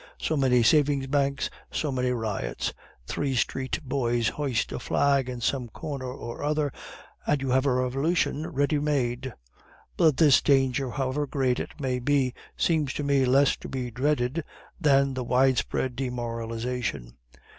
So many savings banks, so many riots. Three street boys hoist a flag in some corner or other, and you have a revolution ready made. "But this danger, however great it may be, seems to me less to be dreaded than the widespread demoralization.